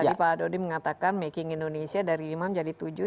tadi pak dodi mengatakan making indonesia dari lima menjadi tujuh